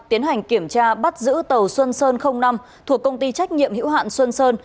tiến hành kiểm tra bắt giữ tàu xuân sơn năm thuộc công ty trách nhiệm hữu hạn xuân sơn